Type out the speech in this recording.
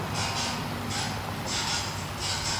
مشرانو به سوداګریزي لاري خلاصولې.